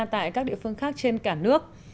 tại các địa phương khác trên cả nước